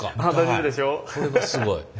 これはすごい。